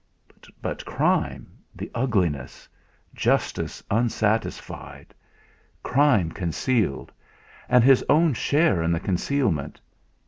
But, crime the ugliness Justice unsatisfied! Crime concealed and his own share in the concealment!